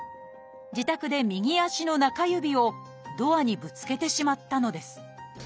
自宅で右足の中指をドアにぶつけてしまったのです。